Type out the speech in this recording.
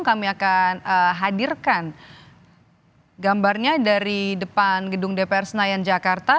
kami akan hadirkan gambarnya dari depan gedung dpr senayan jakarta